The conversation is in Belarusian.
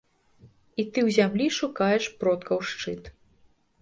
І ты ў зямлі шукаеш продкаў шчыт.